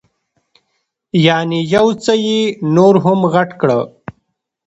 یعنې یو څه یې نور هم غټ کړه.